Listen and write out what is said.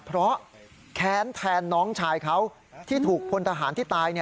เพราะแค้นแทนน้องชายเขาที่ถูกพลทหารที่ตาย